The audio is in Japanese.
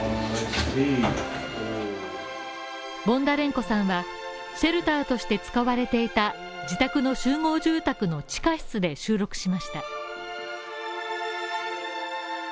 ボンダレンコさんは、シェルターとして使われていた自宅の集合住宅の地下室で収録しました。